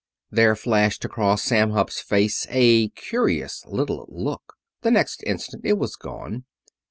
There flashed across Sam Hupp's face a curious little look. The next instant it was gone.